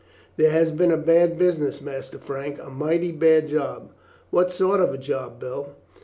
"There has been a bad business, Master Frank, a mighty bad job." "What sort of a job, Bill?"